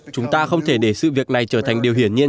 chúng ta không thể để sự việc này trở thành điều hiển nhiên